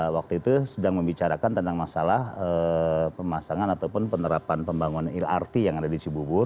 waktu itu sedang membicarakan tentang masalah pemasangan ataupun penerapan pembangunan lrt yang ada di cibubur